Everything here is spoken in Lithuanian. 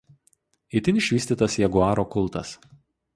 Itin išvystytas jaguaro kultas.